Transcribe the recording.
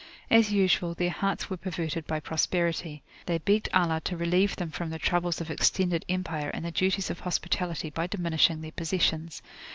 As usual, their hearts were perverted by prosperity. They begged Allah to relieve them from the troubles of extended empire and the duties of hospitality by diminishing their possessions.